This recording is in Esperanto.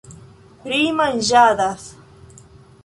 Ri manĝadas.